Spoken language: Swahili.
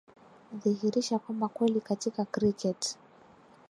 dhihirisha kwamba kweli katika cricket